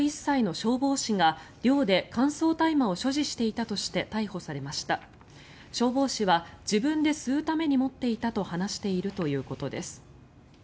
消防士は自分で吸うために持っていたと話しているということです。